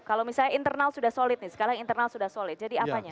kalau misalnya internal sudah solid nih sekarang internal sudah solid jadi apanya